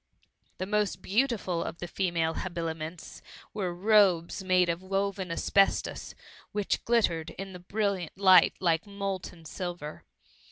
The most beautiful of the female habiliments, were tobes made of woven asbestos, which glittered in the brilliant light like molten silver.